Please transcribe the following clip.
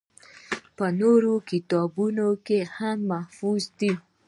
پۀ نورو کتابونو کښې هم محفوظ دي